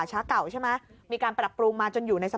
ทางผู้ชมพอเห็นแบบนี้นะทางผู้ชมพอเห็นแบบนี้นะ